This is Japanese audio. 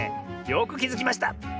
よくきづきました！